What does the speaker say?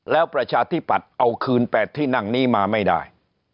แล้วประชาธิปัตย์เอาคืน๘ที่นั่งนี้มาไม่ได้